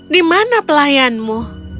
di mana pelayanmu